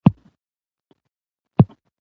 افغانستان کې کندز سیند د هنر په اثار کې دی.